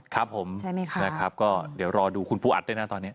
ครับผมใช่ไหมคะนะครับก็เดี๋ยวรอดูคุณผู้อัดด้วยนะตอนนี้